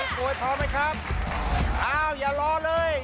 ทุกคนพร้อมไหมครับเอ้าอย่ารอเลย